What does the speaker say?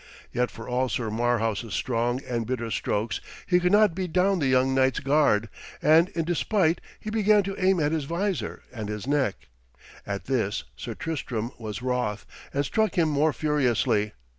Yet for all Sir Marhaus' strong and bitter strokes he could not beat down the young knight's guard, and in despite he began to aim at his vizor and his neck. At this Sir Tristram was wroth, and struck him more furiously.